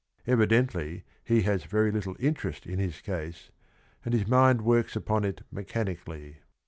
Eviden tly he has very little interest in h is case, and hi" mind wnrln upon it mechanica lly.